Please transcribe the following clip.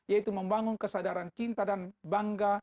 yaitu membangun kesadaran cinta dan bangga